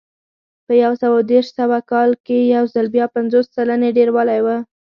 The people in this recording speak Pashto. په یو سوه دېرش سوه کال کې یو ځل بیا پنځوس سلنې ډېروالی و